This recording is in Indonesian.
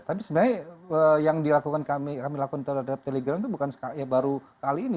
tapi sebenarnya yang dilakukan kami lakukan terhadap telegram itu bukan ya baru kali ini